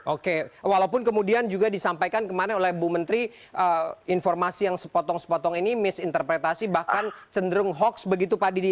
oke walaupun kemudian juga disampaikan kemarin oleh bu menteri informasi yang sepotong sepotong ini misinterpretasi bahkan cenderung hoax begitu pak didi